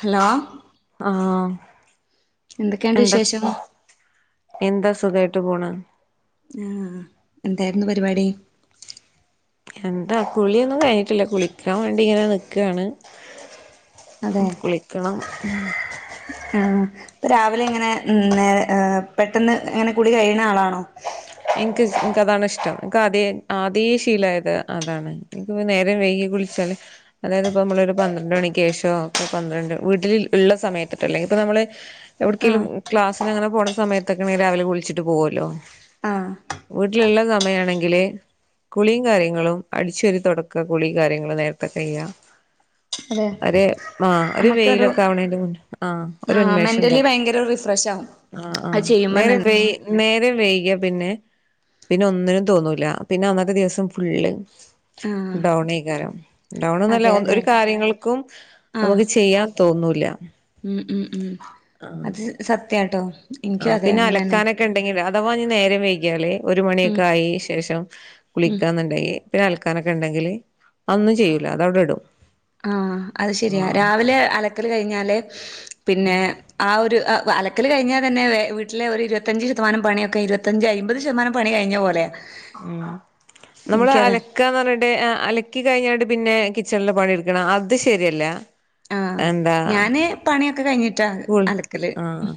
Hello ആഹ് എന്തൊക്കെയുണ്ട് എന്ത വിശേഷം എന്താ സുഖായിട്ട് പോണ് ആഹ് എന്തായിരുന്നു പരിപാടി എന്താ കുളിയൊന്നും കഴിഞ്ഞിട്ടില്ല കുളിക്കാൻ വേണ്ടി ഇങ്ങനെ നിക്കാണ് അതെ കുളിക്കണം ഉം ആഹ് ഇപ്പം രാവിലെ ഇങ്ങനെ നേർ പെട്ടെന്ന് ഇങ്ങനെ കൂളി കഴിയുന്ന ആളാണോ എനിക്ക് എനിക്ക് അതാണ് ഇഷ്ടം എനിക്ക് അത ആതേ ശീലായത് അതാണ് എനിക്ക് നേരം വൈകി കുളി ച്ചാല് അതായത് ഇപ്പോ നമ്മളരു പന്ത്രണ്ട് മണിക്ക് ശേഷം പന്ത്രണ്ട് വീട്ടില് ഉള്ള സമയത്ത്ട്ടോ അല്ലെങ്കില് ഇപ്പൊ നമ്മള് ആഹ് എവിടെക്കെങ്കിലും ക്ലാസ്സിന് അങ്ങനെ പോണ സമയത്തൊക്കെണെങ്കിൽ രാവിലെ വിളിച്ചിട്ട് പോകുല്ലോ ആഹ് വീട്ടിലുള്ള സമയയാണെങ്കില് കുളിയും കാര്യങ്ങളും അടിച്ചൊരു തുടക്ക കുളിയും കാര്യങ്ങളും നേരത്തെ കയ്യാ അതെ ഒരു ആഹ് ഒരു നമുക്കൊരു വെയിലൊക്കെ ആവണെന്റെ ആഹ് ഒരു ആഹ് ഉൻമേഷം മെന്റലി ഉണ്ടാവും ഭയങ്കര റിഫ്രഷ് ആവും ആഹ് അത് ആഹ് ചെയ്യുമ്പം നേരം തന്നെ വെ നേരം വൈകിയാ പിന്നെ പിന്നെ ഒന്നിനും തോന്നൂല പിന്നെ അന്നത്തെ ദിവസം ഫുള്ള് ആഹ് ഡൗൺ ആയിക്കാരം ഡൗൺ എന്നല്ല അതെ അതെ ഒരു കാര്യങ്ങൾക്കും ആഹ് നമുക്ക് ചെയ്യാം തോന്നൂല്ല ഉം ഉം ഉം അത് സത്യാട്ടോ എനിക്കും ആഹ് അതെ പിന്നെ അങ്ങനെന്നെ അലക്കാനൊക്കെ ഉണ്ടെങ്കിൽ അഥവാ ഇനി നേരം വൈകിയാല് ഒരു ഉം മണിയൊക്കെ ആയി ശേഷം ഉം കുളിക്കാന്നുണ്ടങ്കി പിന്നെ അലക്കാനൊക്കെ ഉണ്ടെങ്കില് അത് ഒന്നും ചെയ്യൂല അത് അവിടെ ഇടും ആഹ് അത് ശെരിയാ ആഹ് രാവിലെ അലക്കല് കഴിഞ്ഞാല് പിന്നെ ആഹ് ഒരു അലക്കല് കഴിഞ്ഞാൽ തന്നെ വീട്ടിലെ ഒരു ഇരുപത്തഞ്ച് ശതമാനം പണിയൊക്കെ ഇരുപത്തഞ്ച് അയിമ്പത് ശതമാനം പണി കഴിഞ്ഞ പോലെയാ ഉം നമ്മള് എനിക്കതാ അല ക്കാന്ന് പറഞ്ഞിട്ട് അലക്കി കഴിഞ്ഞാണ്ട് പിന്നെ കിച്ചണിലെ പണിയെടുക്കണം അത് ശെരിയല്ല ആഹ് ഞാന് പണിയൊക്കെ കഴിഞ്ഞിട്ടാ കൂൾ അലക്കല് ആഹ്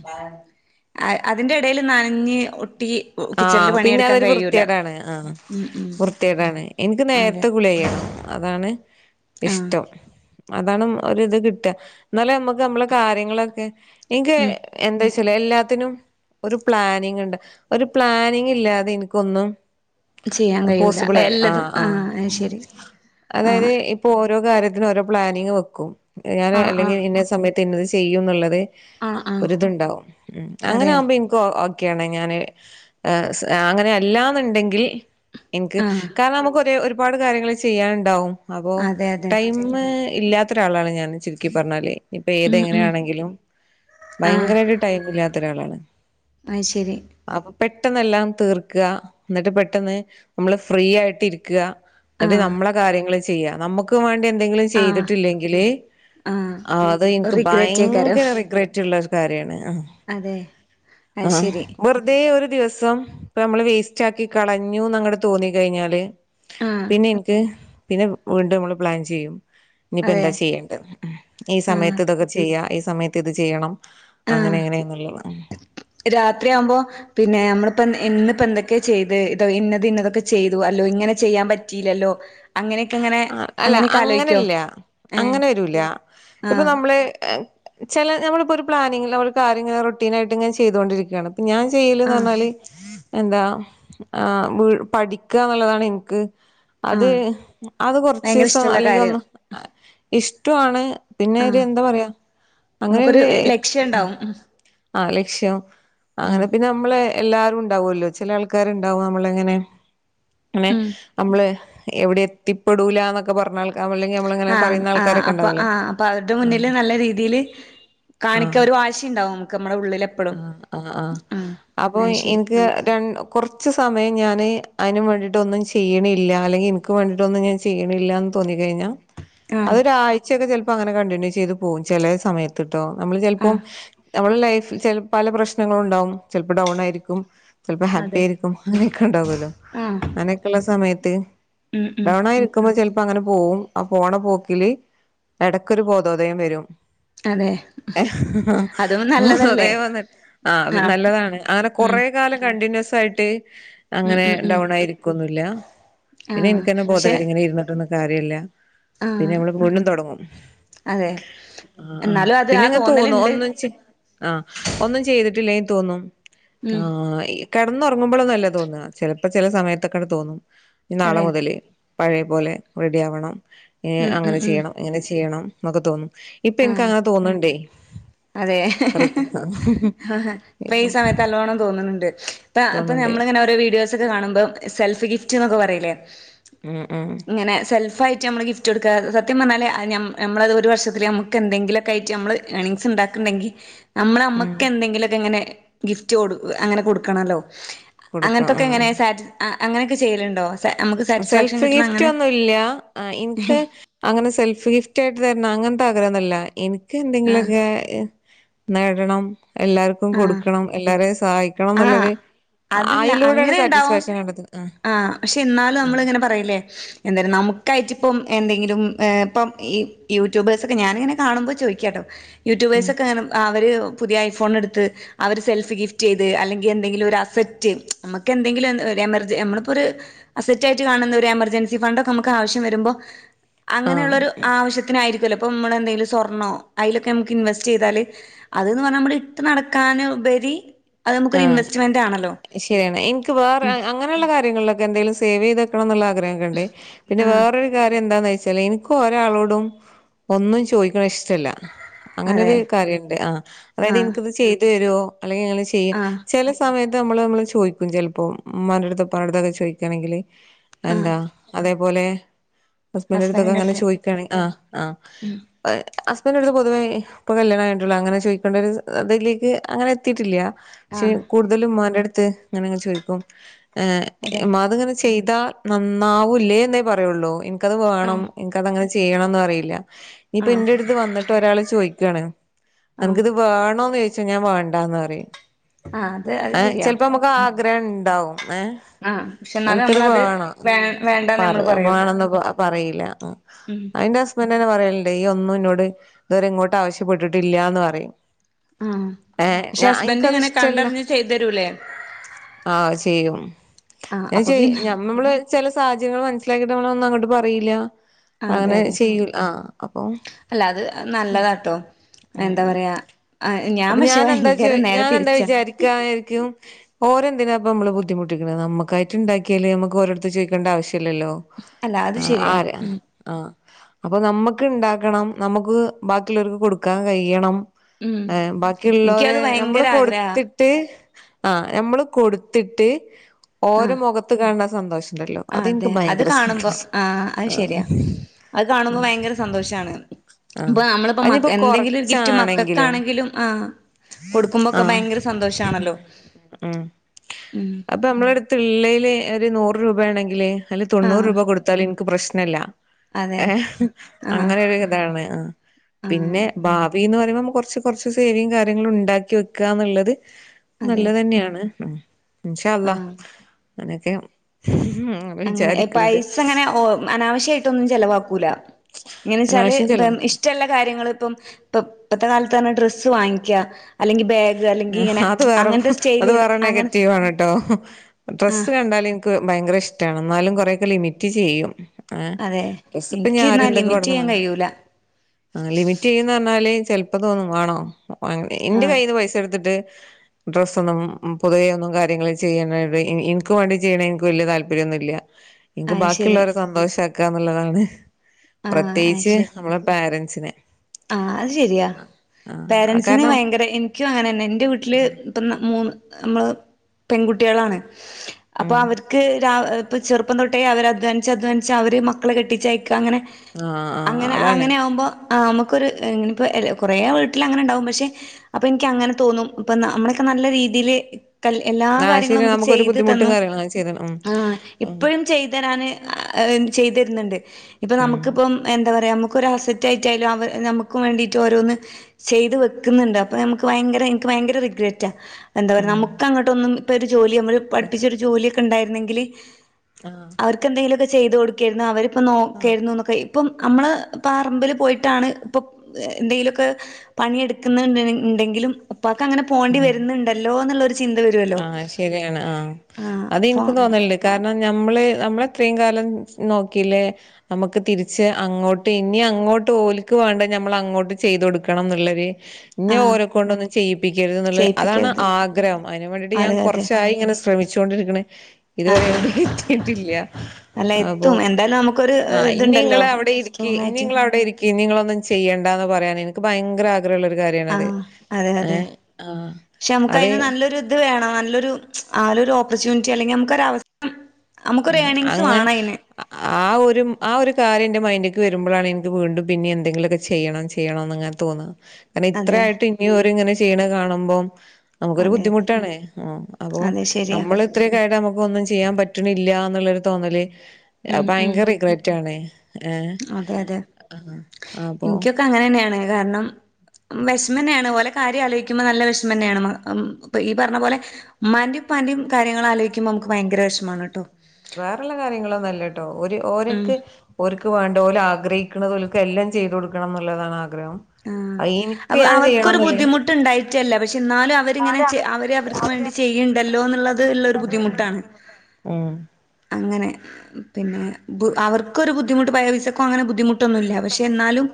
അതിന്റെ ഇടയില് നനഞ്ഞ് ഒട്ടി കിച്ചണില് ആഹ് പിന്നെ പണിയെടുക്കാൻ അതൊരു കഴിയൂല വൃത്തികേടാണ് ആഹ് ഉം ഉം വൃത്തിയേടാണ് എനിക്ക് അതെ നേരത്തെ കുളി കഴിയണം അതാണ് ആഹ് ഇഷ്ടം അതാണ് ഒരിത് കിട്ടുക എന്നാലെ നമ്മുക്ക് നമ്മളെ കാര്യങ്ങളൊക്കെ എനിക്ക് ഉം എന്താച്ചാല് എല്ലാത്തിനും ഒരു പ്ലാനിങ് ഉണ്ട് ഒരു പ്ലാനിങ് ഇല്ലാതെ എനിക്കൊന്നും ചെയ്യാൻ കഴിയൂല എല്ലതും ആഹ് അയ് ശെരി അതായത് ഇപ്പോ ഓരോ കാര്യത്തിനും ഓരോ പ്ലാനിങ് വെക്കും ഞാൻ ആഹ് അല്ലെങ്കിൽ ആഹ് ഇന്ന സമയ ത്ത ഇന്നത് ചെയ്യും എന്നുള്ളത് ആഹ് ആഹ് ഒരിതുണ്ടാവും ഉം അങ്ങനെ അതെ ആവുമ്പോ എനിക്ക് ഓക്കെയാണ് ഞാന് അങ്ങനെ അല്ലാന്നുണ്ടെങ്കിൽ എനിക്ക് ആഹ് കാരണം നമുക്ക് ഒരേ ഒര് ഒരുപാട് കാര്യങ്ങൾ ചെയ്യാനുണ്ടാവും അപ്പോ അതെ അതെ ടൈം ഇല്ലാ ത്ത ഒരാളാണ് ഞാൻ ചുരുക്കി പറഞ്ഞാല് ഇപ്പൊ ഉം ഉം ഏതെങ്ങനെയാണെങ്കിലും ഭയങ്കരായിട്ട് ടൈം ഇല്ലാത്ത ഒരാളാണ് അയ് ശെരി അപ്പൊ പെട്ടെന്നെല്ലാം തീർക്കുക എന്നിട്ട് പെട്ടെന്ന് നമ്മള് ഫ്രീ ആയിട്ട് ഇരിക്കുകാ എന്നിട്ട് ആഹ് നമ്മളെ കാര്യങ്ങള് ചെയ്യാ നമ്മുക്ക് വേണ്ടി എന്തെങ്കിലും ആഹ് ചെയ്തിട്ടില്ലെങ്കില് ആഹ് അത് എനിക്ക് റിഗ്രറ്റേക്കാരം ഭയങ്കര റിഗ്രറ്റ് ഉള്ള ഒരു കാര്യാണ് അതെ അയ് ആഹ് ശെരി വെറുതെ ഒരു ദിവസം ഇപ്പം നമ്മള് വേസ്റ്റ്ആക്കി കളഞ്ഞു എന്ന് അങ്ങട് തോന്നി കഴിഞ്ഞാല് ആഹ് പിന്നെ എനിക്ക് പിന്നെ വീണ്ടും നമ്മള് പ്ലാൻ ചെയ്യും ഇനീപ്പോ അതെ എന്താ ചെയ്യേണ്ടത് ഈ ആഹ് സമയത്ത് ഇതൊക്കെ ചെയ്യാം ഈ സമയത്ത് ഇത് ചെയ്യണം അങ്ങനെ ആഹ് എങ്ങനെയാന്നുള്ളത് രാത്രിയാവുമ്പോ പിന്നെ നമ്മളിപ്പോ ഇന്ന് എന്തൊക്കെ ചെയ്ത് ഇത് ഇന്നത് ഇന്നതൊക്കെ ചെയ്തു അല്ലോ ഇങ്ങനെ ചെയ്യാൻ പ റ്റീലല്ലോ ആഹ് അല്ല അങ്ങനല്ല ഏഹ് അങ്ങനെ വരൂല ഇപ്പൊ ആഹ് നമ്മള് ചില നമ്മളിപ്പോ ഒരു പ്ലാനിങ്ങില് നമ്മള് ഒരു കാര്യങ്ങൾ റൊട്ടീനായിട്ട് ഇങ്ങനെ ചെയ്തുകൊണ്ടിരിക്കുകയാണ് ഞാൻ ചെയ്യലന്ന് ആഹ് പറഞ്ഞാല് എന്താ ആഹ് പഠിക്കുക എന്നുള്ളതാണ് എനിക്ക് അത് ആഹ് അത് കൊറച്ച് ഭയങ്കര ദിവസം ഇഷ്ടമുള്ള അല്ലെങ്കിൽ കാര്യം ഒന്ന് ഇഷ്ടവാണ് പിന്നെ ഒരു ആഹ് എന്താ പറയാ അങ്ങനെ നമുക്കൊരു ഒരു ലക്ഷ്യം ആഹ് ഉണ്ടാവും ഉം ആഹ് ലക്ഷ്യം ഉം അങ്ങനെ പിന്നെ നമ്മള് എല്ലാരും ഉണ്ടാവോല്ലോ ചില ആൾക്കാര് ഉണ്ടാവും നമ്മള് ഇങ്ങനെ ഇങ്ങനെ ഉം നമ്മള് എവിടെ എത്തിപ്പെടൂലാന്നൊക്കെ പറഞ്ഞാൽ ആഹ് ആഹ് അപ്പൊ ആഹ് അപ്പൊ അവരുടെ ആഹ് മുന്നില് നല്ല രീതിയില് ആഹ് കാണിക്കാൻ ഒരു വാശി ഉണ്ടാവും നമുക്ക് നമ്മുടെ ഉള്ളില് എപ്പളും ആഹ് ആഹ് ആഹ് ഉം അഹ് ശരി കൊറച്ചു സമയം ഞാന് അയ്നും വേണ്ടിയിട്ട് ഒന്നും ചെയ്യണില്ല അല്ലെങ്കിൽ ഇൻക്ക് വേണ്ടിട്ട് ഒന്നും ഞാൻ ചെയ്യണില്ലാന്ന് തോന്നി കഴിഞ്ഞാൽ ആഹ് അതൊരു ആഴ് ച്ചൊക്കെ ചിലപ്പോൾ അങ്ങനെ കണ്ടിന്യൂ ചെയ്ത് പോകും ചെലേ സമയത്ത്ട്ടോ നമ്മള് ചെലപ്പം ആഹ് നമ്മുടെ ലൈഫിൽ ചില പല പ്രശ്നങ്ങൾ ഉണ്ടാവും ചിലപ്പോൾ ഡൗൺ ആയിരിക്കും ചിലപ്പോ ഹാപ്പി അതെ ആയിരിക്കും അങ്ങനൊക്കെ ഉണ്ടാവോല്ലോ ആഹ് അങ്ങനെയൊക്കെള്ള സമയത്ത് ഉം ഉം ഡൗൺ ആയിരി ക്കുമ്പോ ചിലപ്പോ അങ്ങനെ പോവും ആ പോണ പോക്കില് എടക്കൊരു ബോധോദയം വരും അതെ അതും നല്ലതല്ലേ ബോധയം വന്നിട്ട് ആഹ് നല്ലതാണ് അങ്ങനെ ഉം കൊറേ കാലം കണ്ടിന്യൂസ് ആയിട്ട് ഉം അങ്ങനെ ഉം ഉം ഡൗൺ ആയി ഇരിക്കൊന്നുല്ല ആഹ് എനിക്ക് തന്നെ ബോധം പക്ഷെ വരും ഇങ്ങനെ ഇരുന്നിട്ടൊന്നും കാര്യല്ല പിന്നെ ആഹ് നമ്മള് ഫുള്ളും തുടങ്ങും അതെ ആഹ് ആഹ് എന്നാലും അത് ആ പിന്നെങ്ങനെ തോന്നും തോന്നല്ണ്ട് ഒന്നും ചെ ആഹ് ഒന്നും ചെയ്തിട്ടില്ലങ്കിൽ തോന്നും ഉം ആഹ് ഇ കെടന്നുറങ്ങുമ്പളൊന്നും അല്ല തോന്നാ ചിലപ്പോ ചില സമയത്തൊക്കെണ് തോന്നും ഇനി നാളെ അതെ മുതല് പഴയ പോലെ റെഡി ആവണം ഉം ഉം അങ്ങനെ ഉം ചെയ്യണം ഇങ്ങനെ ചെയ്യണം എന്നൊക്കെ തോന്നും ഇപ്പൊ ഇൻക്ക് അങ്ങനെ തോന്ന്ണ്ടേ അതേ ആഹ് ഇപ്പൊ ഈ സമയത്ത് നല്ലോണം തോന്നുന്നുണ്ട് ഇപ്പ ഇപ്പൊ തോന്നുന്നുണ്ട് നമ്മളിങ്ങനെ ഓരോ വീഡിയോസ് ഒക്കെ കാണുമ്പോൾ സെൽഫ് ഗിഫ്റ്റ് എന്നൊക്കെ പറയില്ലേ ഉം ഉം ഇങ്ങനെ സെൽഫ് ആയിട്ട് നമ്മൾ ഗിഫ്റ്റ് കൊടുക്കാ സത്യം പറഞ്ഞാല് നമ്മ നമ്മളത് ഒരു വർഷത്തില് നമുക്ക് എന്തെങ്കിലൊക്കായിട്ട് നമ്മൾ ഏണിംഗ് സ് ഉണ്ടാക്ക്ണ്ടെങ്കി നമ്മള് ഉം നമ്മക്ക് എന്തെങ്കിലൊക്കെ ഇങ്ങനെ ഗിഫ്റ്റ് കൊടു അങ്ങനെ കൊടുക്കണല്ലോ അ കൊടുക്കാം അങ്ങനത്തൊക്കെ എങ്ങനെ ഉം സാറ്റി അങ്ങനെയൊക്കെ ചെയ്യലുണ്ടോ നമുക്ക് സാറ്റിസ്ഫാക്ഷൻ സെൽഫ് കിട്ടണ ഗിഫ്റ്റ് അങ്ങനെ ഒന്നും ഇല്ല ആഹ് ഇൻക്ക് അങ്ങനെ സെൽഫ് ഗിഫ്റ്റ് ആയിട്ട് തരണം അങ്ങനത്തെ ആഗ്രഹം ഒന്നുല്ല എൻക്ക് ആഹ് എന്തെങ്കിലൊക്കെ നേടണം എല്ലാർക്കും ആഹ് കൊടുക്കണം എല്ലാരെയും സഹായി ക്കണം ആഹ് എന്നുള്ളൊരു അതല്ല അയ്ലൂടെയാണ് അങ്ങനെ ഇണ്ടാവും സാറ്റിസ്ഫാക്ഷൻ കണ്ടത്തുന്നത് ആഹ് പക്ഷെ എന്നാലും നമ്മളിങ്ങനെ പറയില്ലേ എന്തായാലും നമുക്കായിട്ട് ഇപ്പം എന്തെങ്കിലും ഏഹ് ഇപ്പ ഈ യൂട്യൂബേഴ്സ് ഒക്കെ ഞാനിങ്ങനെ കാണുമ്പോ ചോയ്ക്കാട്ടോ ഉം യൂട്യൂബേഴ്സൊക്കെ അവര് പുതിയ ഐഫോണ് എടുത്ത് അവര് സെൽഫ് ഗിഫ്റ്റ് ചെയ്ത് അല്ലെങ്കിൽ എന്തെങ്കിലും ഒരു അസറ്റ് നമുക്ക് എന്തെങ്കിലും ഒന്ന് ഒരു എമർ നമ്മളിപ്പോ ഒരു അസെറ്റ് ആയിട്ട് കാണുന്ന ഒരു എമർജൻസി ഫണ്ട് ഒക്കെ നമുക്ക് ആവശ്യം വരുമ്പോ അങ്ങനെയുള്ളൊരു ആ ആവശ്യത്തിനായിരിക്കോല്ലോ ഇപ്പ നമ്മൾ എന്തെങ്കിലും സ്വർണ്ണോ അയ്ലൊക്കെ നമുക്ക് ഇൻവെസ്റ്റ് ചെയ്താല് അത്ന്ന് പറഞ്ഞാൽ നമ്മള് ഇട്ട് നടക്കാന് ഉപരി അത് നമുക്കൊരു ആഹ് ഇൻവെസ്റ്റ്മെന്റ് ആണല്ലോ ശരിയാണ് എനിക്ക് വേറെ ഉം അങ്ങനെയുള്ള കാര്യങ്ങളിലൊക്കെ എന്തെങ്കിലും സേവ് ചെയ്ത് വെക്കണന്നുള്ള ആഗ്രഹം ഒക്കെ ഇണ്ട് പിന്നെ ആഹ് വേറൊരു കാര്യം എന്താന്ന് വെച്ചാല് എനിക്ക് ഒരാളോടും ഒന്നും ചോയ്ക്കണ ഇഷ്ടല്ല അതെ. അങ്ങനെയൊരു കാര്യണ്ട് ആഹ് അതായത് ആഹ് ഇൻക്കിത് ചെയ്ത് തരോ അല്ലെങ്കിൽ ഇങ്ങള് ചെയ് ആഹ് ചെല സമയത്ത് നമ്മള് നമ്മൾ ചോയ്ക്കും ചിലപ്പോ ഉമ്മൻ്റടുത്ത് ഉപ്പൻ്റെടുത്തൊക്കെ ചോയ്ക്കയാണെങ്കില് ആഹ് എന്താ അതേപോലെ ഹസ്ബന്റടുത്തൊക്കെ ഇങ്ങനെ ഹസ്ബന്റിന്റെടുത്ത് ചോയ്ക്കയാണെ ആഹ് ആഹ് ഉം ഏഹ് ഹസ്ബന്റടുത്ത് പൊതുവേ ഇപ്പൊ കല്യാണം കഴിഞ്ഞിട്ടൊള്ളൂ അങ്ങനെ ചോദിക്കണ്ട ഒരു ഇതിലേക്ക് അങ്ങനെ എത്തിയിട്ടില്ല പക്ഷേ ആഹ് കൂടുതലും ഇമ്മാൻ്റെ അടുത്ത് ഇങ്ങനങ്ങ് ചോദിക്കും ഏഹ് അതെ. ഇപ്പത്ങ്ങനെ ചെയ്താ നന്നാവൂല്ലേന്നേ പറയൊള്ളൂ ഇനിക്കത് വേണം ആഹ് ഇനിക്കത് അങ്ങനെ ചെയ്യണംന്ന് പറയില്ല ഇഞ്ഞ്പ്പ ആഹ് ഇന്റെടുത്ത് വന്നിട്ട് ഒരാള് ചോദിക്കാണ് ആഹ് അൻക്ക്ത് വേണോന്ന് ചോദി ച്ച ഞാൻ വേണ്ടാന്ന് പറയും ആഹ് അത് അത് ഏഹ് ശെരിയാ. ചെലപ്പം അമ്മക്ക് ആഗ്രഹം ഇണ്ടാവും ഏഹ് ആഹ് പക്ഷെ എന്നാലും അൻക്കത് നമ്മളത് വേണം വേ വേണ്ടാന്ന് പറ നമ്മള് പറയുള്ളൂ. വേണംന്ന് പറയില്ല ഉം അത് ഇന്റെ ഹസ് ബന്റ് തന്നെ പറയല്ണ്ട് ഇയ്യ് ഒന്നും ഇന്നോട് ഇതുവരെ ഇങ്ങോട്ട് ആവശ്യപ്പെട്ടിട്ടില്ലാന്ന് പറയും ആഹ് ഏഹേ പക്ഷെ ഞ ഹസ്ബൻഡ് ഇൻക്കത് ഇങ്ങനെ ഇഷ് ട്ടല്ല കണ്ടറിഞ്ഞ് ചെയ്ത് തരൂലേ? ആഹ് അത് ചെയ്യും ആഹ് ഞാൻ അപ്പൊ ചെയ്യും പിന്നെ ഞ്ഞമ്മള് ചെല സാഹചര്യങ്ങള് മനസിലാക്കിയിട്ട് നമ്മളൊന്നും അങ്ങട്ട് പറീല്ല അതെ അങ്ങനെ അതെ. ചെയ്യൂ ആഹ് അപ്പൊ അല്ല അത് ഉം നല്ലതാട്ടോ എന്താ ഉം പറയാ ഞാൻ അപ്പൊ പക്ഷെ ഞാനെന്താ ചോ ഭയങ്കര നേരെ ഞാൻ എന്താ തിരിച്ചാ വിചാരിക്കാ ശരിക്കും ഓരെ എന്തിനാപ്പം നമ്മള് ബുദ്ധിമുട്ടിക്ക്ണെ നമ്മക്കായിട്ട് ഇണ്ടാക്കിയല് നമ്മക്ക് ഓലടുത്ത് ചോയിക്കേണ്ട ആവശ്യല്ലല്ലോ? അല്ല അത് ആഹ് ശരിയാ ആരാ ഉം ആഹ് അപ്പൊ നമ്മക്ക് ഇണ്ടാക്കണം നമ്മക്ക് ബാക്കിയുള്ളോർക്ക് കൊടുക്കാൻ കഴിയണം ഉം ഏഹ് ബാക്കി ഇള്ളോരെ എനിക്കത് നമ്മള് ഭയങ്കര കൊടു ആഗ്രഹാ ത്തിട്ട് ആഹ് നമ്മള് കൊടുത്തിട്ട് ഓരെ ആഹ് മുഖത്ത് കാണ്ന്ന ആ സന്തോഷം അതെ അത് കാണുമ്പോ ആഹ് അത് ആ ശരിയാ അത് കാണുമ്പോ ഭയങ്കര സന്തോഷാണ് ആ ഇപ്പൊ നമ്മള്പ്പോ മകക്ക് അതിനിപ്പോ എന്തെങ്കിലും ഒരു ഗിഫ്റ്റ് കൊറച്ചാണെങ്കിലും മക്കക്കാണെങ്കിലും ആഹ് കൊടുക്കുമ്പോക്കെ ആഹ് ഭയങ്കര സ ഉം സന്തോഷാണല്ലോ? ഉം ഇപ്പ നമ്മടെ അടുത്ത് ഇള്ളേല് ഒരു നൂറ് രൂപയാണെങ്കില് അയില് തൊണ്ണൂറ് ആഹ് രൂപ കൊടുത്താലും ഇൻക്ക് പ്രശ്നല്ല അതെ ഏഹ് ആഹ് അങ്ങനൊര് ഇതാണ് ആഹ് ആഹ് പിന്നെ ഭാവി എന്ന് പറയുമ്പോ നമ്മക്ക് കൊറച്ച് കൊറച്ച് സേവിംഗ്സ് കാര്യങ്ങളും ഇണ്ടാക്കി വെക്കാന്ന്ള്ളത് ത് അതെ നല്ലതന്നെയാണ് ഉം ഇൻഷാ അല്ലാഹ് ആഹ് അങ്ങനെക്കെയ ഉം അങ്ങനെ ഈ പൈസ ഇങ്ങനെ അനാവിശ്യായിട്ടൊന്നും ചെലവാക്കൂല എങ്ങനെ വെച്ചാല് അനാവശ്യം ഇപ്പം ചെലവാക്കല്ല് ഇഷ് ഇഷ്ട്ടെല്ല കാര്യങ്ങള്പ്പം ഇപ്പം ഇപ്പത്തെ കാലത്ത്ന്ന് പറഞ്ഞാ ഡ്രസ്സ് വാങ്ങിക്ക അല്ലെങ്കി ബാഗ് അല്ലെങ്കി ഇങ്ങനെ അത് വേറെ അങ്ങനത്തെ അത് സ്റ്റൈല് വേറെ അങ്ങനെ നെഗറ്റീവാണ് ട്ടോ ഡ്രെസ്സ് ആഹ് കണ്ടാല് ഇൻക്ക് ഭയങ്കര ഇഷ്ട്ടാണ് ഇന്നാലും കൊറേ ഒക്കെ ലിമിറ്റ് ചെയ്യും ആഹ് അതെ ഡ്രസ്സ്പ്പം ഇഞ്ഞ് ആര് എനിക്കിന്നാ എന്തെക്കെ ലിമിറ്റ് കൊട്ന്നാ ചെയ്യാൻ കഴിയൂല ആ ലിമിറ്റ് ചെയ്യുംന്ന് പറഞ്ഞാല് ചെലപ്പം തോന്നും വാണോ? വാങ്ങണ്ടേ? ഇന്റെ ആഹ് കയ്യിന്ന് പൈസ എടു ത്തിട്ട് ഡ്രസ്സ് ഒന്നും പൊതുവെ ഒന്നും കാര്യങ്ങൾ ചെയ്യുന്നത് ഇൻക്ക് വാണ്ടി ചെയ്യ്ണെ ഇൻക്ക് വല്ല്യ താല്പര്യൊന്നുല്യ ഇൻക്ക് അയ്ശരി ബാക്കിയുള്ളോരെ സന്തോഷം ആക്കാന്ന്ള്ളതാണ് ആഹ് പ്രത്യോകിച്ച് അയ്ശരി നമ്മളെ പാരൻ‌സിനെ ആഹ് അത് ശരിയാ പേരൻസിന് കാരണം ഭയങ്കര ഇക്കും അങ്ങനന്നെ ഇന്റെ വീട്ടില് ഇപ്പൊ മൂന്ന് നമ്മള് പെൺകുട്ടിയളാണ് അപ്പൊ ഉം അവർക്ക് രാവി ഇപ്പൊ ചെറുപ്പം തൊട്ടേ അവര് അധ്വാനിച്ച്, അധ്വാനിച്ച് അവര് മക്കളെ കെട്ടിച്ച് അയക്ക അങ്ങനെ ആഹ് ആഹ് അങ്ങനെ, അതാണ് അങ്ങനെയാവുമ്പോ ആഹ് അമ്മക്കൊരു ഇങ്ങനെപ്പോ കൊറേ വീട്ടിലങ്ങനെ ഇണ്ടാവും പക്ഷെ അപ്പൊ ഇൻക്ക് അങ്ങനെ തോന്നും. ഇപ്പൊ നമ്മളൊക്കെ നല്ല രീതിയില് കല്യാ എല്ലാ ആഹ് കാര്യങ്ങളും ശരി നമുക്ക് നമുക്കൊരു ചെയ്തു ബുദ്ധിമുട്ടും തന്നു. കാര്യങ്ങളും ആഹ് ശരിയാണ് ഉം ആ ഉം ഇപ്പഴും ചെയ്തു തരാന് ചെയ്തു തരുന്നുണ്ട്. ഇപ്പൊ നമുക്കിപ്പം എന്താ, പറയാ നമുക്ക് ഒരു അസറ്റ് ആയിട്ടായാലും അവർ നമുക്കു വേണ്ടിയിട്ട് ഓരോന്ന് ചെയ്ത് വെക്കുന്നുണ്ട്. അപ്പോൾ നമുക്ക് ഭയങ്കര, എനിക്ക് ഭയങ്കര റിഗ്രെറ്റാണ് എന്താ പറയുക, ഉം നമുക്ക് അങ്ങോട്ടൊന്നും, ഇപ്പൊ ഒരു ജോലി നമ്മള് ഉം പഠിപ്പിച്ചൊരു ജോലിയൊക്കെ ഉണ്ടായിരുന്നെങ്കിൽ ആഹ് അവർക്ക് എന്തെങ്കിലുമൊക്കെ ചെയ്തു കൊടുക്കായിരുന്നു. അവരിപ്പോ ആഹ് നോക്കായിരുന്നു എന്നൊക്കെ ഇപ്പം നമ്മള് പറമ്പില് പോയിട്ടാണ് ഇപ്പം എന്തെങ്കിലുമൊക്കെ പണിയെടുക്കുന്നു ഉണ്ടെങ്കിലും ഉപ്പാക്ക് അങ്ങനെ പോണ്ടി ഉം വരുന്നുണ്ടല്ലോ എന്നുള്ളൊരു ചിന്ത വരും ആഹ് ശരിയാണ്. ആഹ് അത് അപ്പൊ എനിക്കും തോന്നലുണ്ട്. കാരണം നമ്മള്, നമ്മളെത്രയും കാലം നോക്കില്ലേ നമുക്ക് തിരിച്ച് അങ്ങോട്ട്, ഇനി അങ്ങോട്ട് ഓലിക്ക് വേണ്ടത് നമ്മൾ അങ്ങോട്ട് ചെയ്തു കൊടുക്കണം എന്നുള്ളൊരു ഇനി ആഹ് ഓലകൊണ്ടൊന്നും ചെയ്യിപ്പിക്കരുത് എന്നുള്ള, അതാണ് ചെയ്യിപ്പിക്കരുത് ആഗ്രഹം. അതിന് വേണ്ടിയിട്ട് ഞാൻ അതെ അതെ കുറച്ചായി ഇങ്ങനെ ശ്ര ശ്രമിച്ചോണ്ടിരിക്കണേ. ഇതുവരെ അതെ എവിടെ എത്തിയിട്ടില്ല. അല്ല അപ്പൊ എത്തും എന്തായാലും നമുക്കൊരു ആഹ്, ഇനി ഇതുണ്ടല്ലോ നിങ്ങള് അവിടെ ഇരിക്ക്, സ്ട്രോങ് ആയിട്ട് ഇനിങ്ങള് അവിടെ ഇരിക്ക് ഇനി നിങ്ങള് ഒന്നും ചെയ്യേണ്ട എന്ന് പറയാൻ എനിക്ക് ഭയങ്കര ആഗ്ര ആഗ്രഹമുള്ളൊരു കാര്യണത്. ആഹ് അതെ ഏ. അതെ ആഹ്. പക്ഷെ നമുക്ക് അതെ അതിന് നല്ലൊരു ഇത് വേണം, നല്ലൊരു ആ ഓപ്പർചൂണിറ്റി അല്ലെങ്കിൽ നമുക്കൊരവസ്ഥ നമുക്കൊരു ഉം ഏണിങ്സ് അങ്ങനെ വേണം അതിന് ആ ഒരു, ആ ഒരു കാര്യം എന്റെ മൈൻഡിലേക്ക് വരുമ്പോഴാണ് എനിക്ക് വീണ്ടും പിന്നെ എന്തെങ്കിലുമൊക്കെ ചെയ്യണം, ചെയ്യണന്ന് അങ്ങനെ തോന്നുക. കാരണം ഇത്ര അതെ ആയിട്ട് ഇനിയും ഓരു ഇങ്ങനെ ചെയ്യണ കാണുമ്പോം നമുക്കൊരു അതെ അതെ ബുദ്ധിമുട്ടാണ്. അപ്പൊ അതെ ശരിയാ നമ്മൾ ഇത്രയൊക്കെയായിട്ടും നമുക്ക് ഒന്നും ചെയ്യാൻ പറ്റില്ല റ്റണില്ല എന്നുള്ളൊരു തോന്നല്, ഉം ഉം ഭയങ്കര റിഗ്രറ്റ് ആണ് ഏഹ.. ആഹ് അപ്പോ. എനിക്ക് അങ്ങനെ തന്നെയാണ്. കാരണം വിഷമന്നെയാണ്. ഓലെ കാര്യം ആലോചിക്കുമ്പോ നല്ല വിഷമന്നെയാണ്. ഈ പറഞ്ഞ പോലെ ഉമമാന്റെയും ഉപ്പാന്റയും കാര്യങ്ങള് ആലോചിക്കുമ്പോൾ നമുക്ക് ഭയങ്കര വിഷമാണ് കേട്ടോ വേറെയുള്ള കാര്യങ്ങളൊന്നും അല്ല ട്ടോ. ഓരു, ഉം ഓരക്ക് ഓല്ക് വേണ്ടത്, ഓല് ആഗ്രഹിക്കുന്നത് ഓല്ക്ക് എല്ലാം ചെയ്തു കൊടുക്കണം എന്നുള്ളതാണ് ആഗ്രഹം. ആഹ എനിക്ക് അപ്പൊ ഞാൻ ചെയ്യണം അവർക്കൊരു എന്നുള്ളേ ബുദ്ധിമുട്ട് ഉണ്ടായിട്ടല്ല. പക്ഷെ എന്നാലും അവരിങ്ങനെ, അവര് അവർക്ക് വേണ്ടി ചെയ്യണ്ടല്ലോ എന്നുള്ളത്, ള്ളൊരു ബുദ്ധിമുട്ടാണ്. ഉം അങ്ങനെ. പിന്നെ അവർക്ക് ഒരു ബുദ്ധിമുട്ട്, പൈസക്കും അങ്ങനെ ബുദ്ധിമുട്ട് ഒന്നുമില്ല. പക്ഷെ എന്നാലും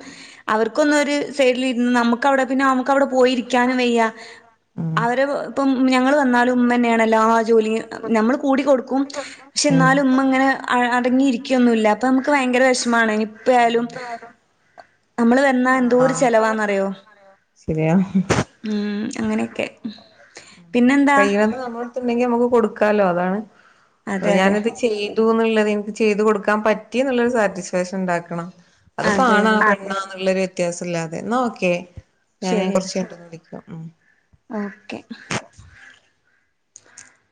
അവർക്കൊന്നും സൈഡിൽ ഇരുന്ന് നമുക്ക് അവിടെ, പിന്നെ നമുക്ക് അവിടെ പോയിരിക്കാനും വയ്യ. ഉം അവര് ഇപ്പം ഞങ്ങള് വന്നാലും ഉമ്മ തന്നെയാണ് എല്ലാ ജോലിയും, ഞമ്മള് കൂടി കൊടുക്കും പക്ഷെ എന്നാലും ഉമ്മ ഇങ്ങനെ നടി അടങ്ങിയിരിക്കൊന്നുമില്ല അപ്പൊ നമുക്ക് ഇരിക്കൊന്നില്ല അ ഭയങ്കര വിഷമാണ് നമുക്ക്ഷും ഇനിപ്പ ആയാലും [inaudible] നമ്മള് വന്നാ എന്തോരു ചെലവാണെന്നറിയോ ശരിയാ ഉം അങ്ങനെയൊക്കെ പിന്നെന്താ കഴിയണത് നമ്മളടുത്ത് ഉണ്ടെങ്കിൽ നമ്മുക്ക് കൊടുക്കാലോ. അതാണ് അതെ അതെ ഞാനത് ചെയ്യാൻ ന്നുള്ളത് എനിക്ക് ചെയ്ത് കൊടുക്കാൻ പറ്റി എന്നുളെളാരു സാറ്റിസ്ഫാക്ഷൻ ഉണ്ടാക്കണം. അത് ഇപ്പം അതെ ആണോ, അതെ പെണ്ണൊ എന്നുളെളാരു വ്യത്യാസം ഇല്ലാതെ, നോക്കേ ഞാൻ ശരിയടാ കൊറച്ചു കഴിഞ്ഞിട്ടൊന്ന് വിളിക്കാം. ഉം. ഓക്കെ